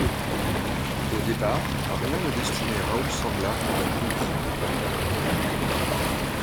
Au départ, rien ne destinait Raoul Sangla à la télévision.